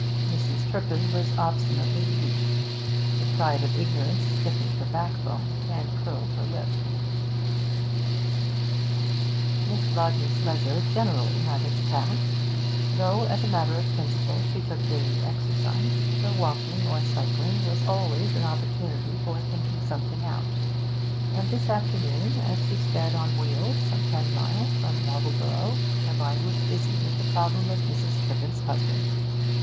Mrs. Turpin was obstinately mute. The pride of ignorance stiffened her backbone and curled her lip. Miss Rodney's leisure generally had its task; though as a matter of principle she took daily exercise, her walking or cycling was always an opportunity for thinking something out, and this afternoon, as she sped on wheels some ten miles from Wattleborough, her mind was busy with the problem of Mrs. Turpin's husband.